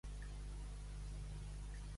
I en llengua castellana?